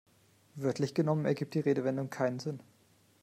Wörtlich genommen ergibt die Redewendung keinen Sinn.